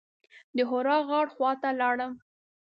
د حرا غار خواته لاړم.